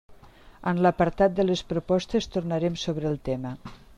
En l'apartat de les propostes tornarem sobre el tema.